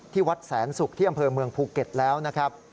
วัดแสนศุกร์ที่อำเภอเมืองภูเก็ตแล้วนะครับ